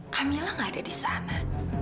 kamilah nggak ada di sana